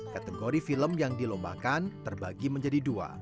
kategori film yang dilombakan terbagi menjadi dua